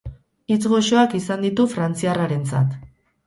Hitz goxoak izan ditu frantziarrarentzat.